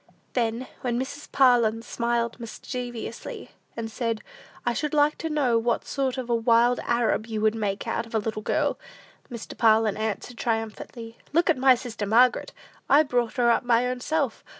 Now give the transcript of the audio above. Then, when Mrs. Parlin smiled mischievously, and said, "I should like to know what sort of a wild Arab you would make out of a little girl," Mr. Parlin answered triumphantly, "Look at my sister Margaret! I brought her up my own self!